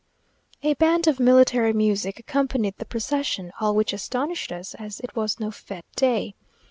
A band of military music accompanied the procession, all which astonished us, as it was no fête day.